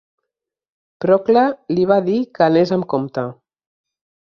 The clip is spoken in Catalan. Procle li va dir que anés amb compte.